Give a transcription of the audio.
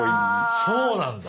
そうなんだ！